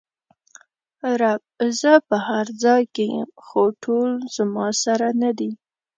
رب: زه په هر ځای کې ېم خو ټول زما سره ندي!